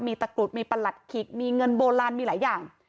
มีตะกรุดมีประหลัดขิกมีเงินโบราณมีหลายอย่าง